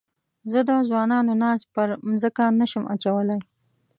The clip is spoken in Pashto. زه د ځوانانو ناز پر مځکه نه شم اچولای.